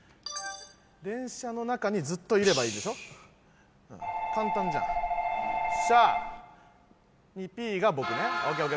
電車の中にずっといればいいんでしょ簡単じゃんよっしゃ２Ｐが僕ね